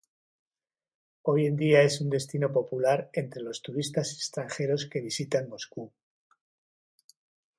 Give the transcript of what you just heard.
Hoy en día es un destino popular entre los turistas extranjeros que visitan Moscú.